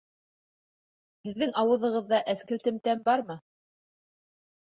Һеҙҙең ауыҙығыҙҙа әскелтем тәм бармы?